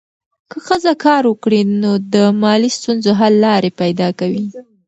که ښځه کار وکړي، نو د مالي ستونزو حل لارې پیدا کوي.